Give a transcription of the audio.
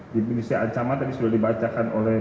di indonesia ancaman tadi sudah dibacakan oleh